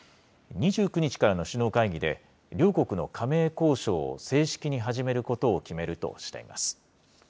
２９日からの首脳会議で、両国の加盟交渉を正式に始めることを決めるとしています。